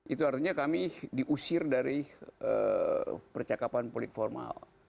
itu artinya kami diusir dari percakapan polit formal